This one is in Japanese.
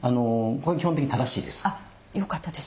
基本的に正しいです。